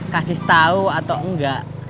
kasih tau atau enggak